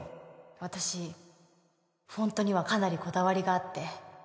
私フォントにはかなりこだわりがあって